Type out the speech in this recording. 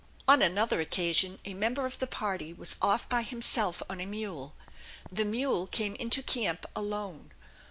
On another occasion a member of the party was off by himself on a mule. The mule came into camp alone.